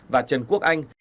và trần quốc anh